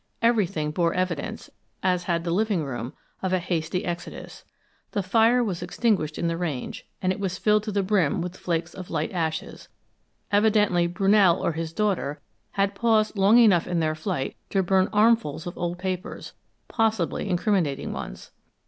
Everything bore evidence, as had the living room, of a hasty exodus. The fire was extinguished in the range, and it was filled to the brim with flakes of light ashes. Evidently Brunell or his daughter had paused long enough in their flight to burn armfuls of old papers possibly incriminating ones.